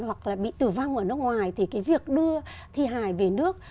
hoặc là bị tử vang ở nước ngoài thì việc đưa thi hài về nước